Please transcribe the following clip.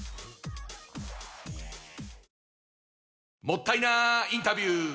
もったいなインタビュー！